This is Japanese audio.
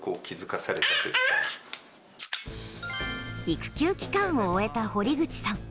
育休期間を終えた堀口さん。